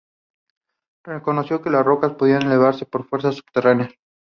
Reconoció que las rocas podían elevarse por fuerzas subterráneas.